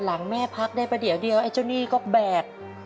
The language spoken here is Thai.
หลังแม่พักได้ประเดี๋ยวเดียวไอ้เจ้าหนี้ก็แบก